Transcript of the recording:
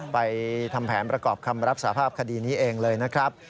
ไปทำแผนประกอบคำรับสาภาพคดีนี้เองเลยนะครับ